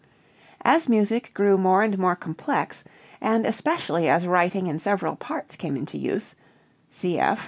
As music grew more and more complex, and especially as writing in several parts came into use (cf.